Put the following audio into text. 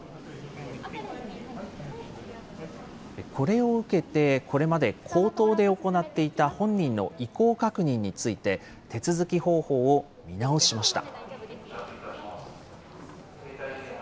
これを受けて、これまで口頭で行っていた本人の意向確認について、手続き方法を見直しました。